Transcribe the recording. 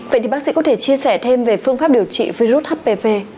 vậy thì bác sĩ có thể chia sẻ thêm về phương pháp điều trị virus hpp